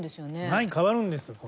はい変わるんです。